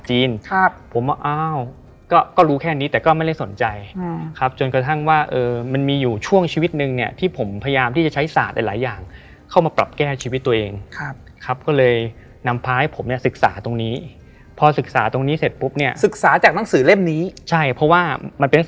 ใช่เพราะว่าอันเรมนี้มันคือหนังสือเกี่ยวกับเรื่องหัวแฮง